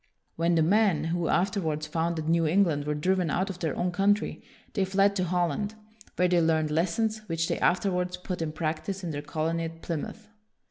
When the men who afterwards founded New England were driven out of their own country, they fled to Holland, where they learned lessons which they afterwards put in practice in their colony at Plymouth.